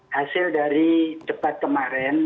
hasil dari debat kemarin